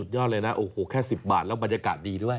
สุดยอดเลยนะแค่๑๐บาทแล้วบรรยากาศดีด้วย